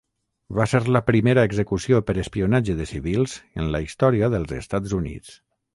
Va ser la primera execució per espionatge de civils en la història dels Estats Units.